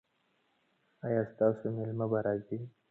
ایا ستاسو میلمه به راځي؟